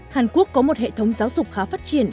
hàn quốc có một hệ thống giáo dục khá phát triển